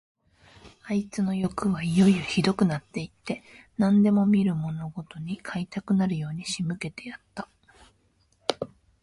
あいつのよくはいよいよひどくなって行って、何でも見るものごとに買いたくなるように仕向けてやった。